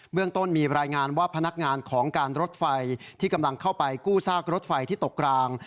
เรื่องต้นมีรายงานว่าพนักงานของการรถไฟที่กำลังเข้าไปกู้ซากรถไฟที่ตกราง